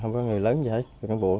không có người lớn gì hết